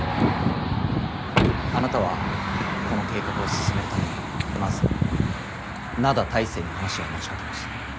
あなたはこの計画を進めるためにまず灘大聖に話を持ちかけました。